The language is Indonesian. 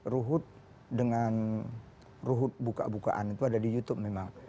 ruhut dengan ruhut buka bukaan itu ada di youtube memang